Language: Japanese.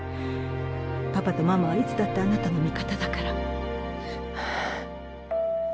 パパとママはいつだってあなたの味方だから。